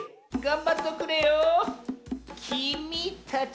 「きみ」たち？